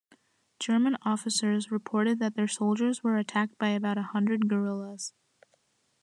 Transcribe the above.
German officers reported that their soldiers were attacked by about a hundred guerillas.